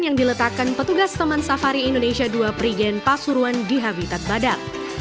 yang diletakkan petugas taman safari indonesia dua perigen pasuruan di habitat badak